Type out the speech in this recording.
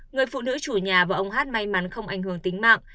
người phụ nữ chủ nhà và ông hát may mắn không ảnh hưởng tính mạng